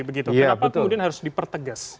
kenapa kemudian harus dipertegas